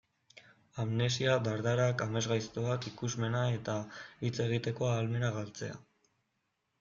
Amnesia, dardarak, amesgaiztoak, ikusmena eta hitz egiteko ahalmena galtzea...